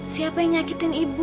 siapa yang nyakitin ibu